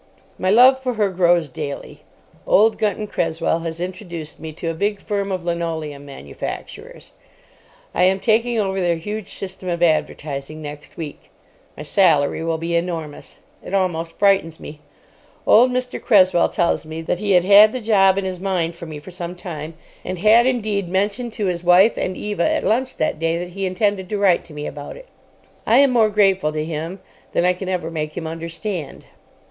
My love for her grows daily. Old Gunton Cresswell has introduced me to a big firm of linoleum manufacturers. I am taking over their huge system of advertising next week. My salary will be enormous. It almost frightens me. Old Mr. Cresswell tells me that he had had the job in his mind for me for some time, and had, indeed, mentioned to his wife and Eva at lunch that day that he intended to write to me about it. I am more grateful to him than I can ever make him understand.